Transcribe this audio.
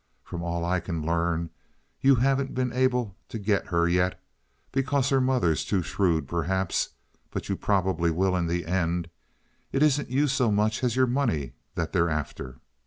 From all I can learn you haven't been able to get her yet—because her mother's too shrewd, perhaps—but you probably will in the end. It isn't you so much as your money that they're after.